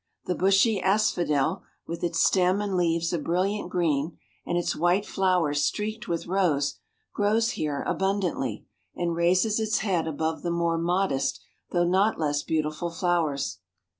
The bushy as¬ phodel, with its stem and leaves of brilliant green, and its white flowers streaked with rose, grows here abundantly, and raises its head above the more modest though not less beautiful flowers.